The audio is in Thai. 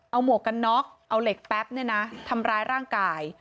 เอาหมวกกันน๊อกเหล็กแป๊บทำร้ายร่างกาย